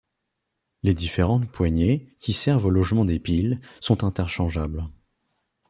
Les différentes poignées, qui servent au logement des piles, sont interchangeables.